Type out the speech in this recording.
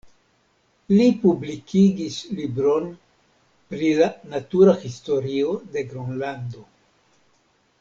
Li publikigis libron pri la natura historio de Gronlando.